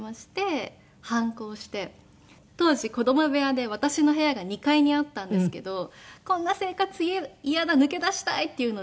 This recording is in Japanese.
当時子供部屋で私の部屋が２階にあったんですけどこんな生活嫌だ抜け出したい！っていうので。